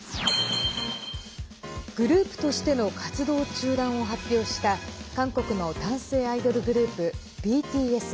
グループとしての活動中断を発表した韓国の男性アイドルグループＢＴＳ。